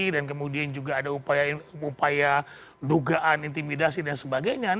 dan kemudian juga ada upaya dugaan intimidasi dan sebagainya